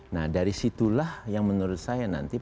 nah dari situlah yang menurut saya nanti